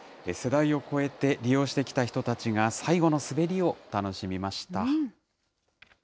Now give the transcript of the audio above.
世代を超えて、利用してきた人たちが最後の滑りを楽しみました。